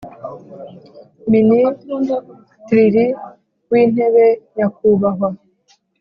Minisitriri w intebe nyakubahwa